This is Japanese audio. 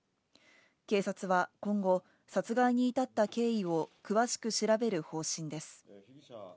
警察は今後、殺害に至った経緯を詳しく調べる方針です。